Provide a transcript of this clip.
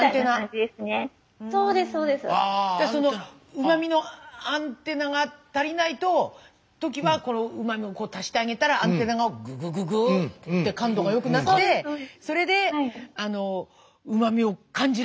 うま味のアンテナが足りない時はうま味を足してあげたらアンテナがググググって感度が良くなってそれでうま味を感じられるようになるってことですか？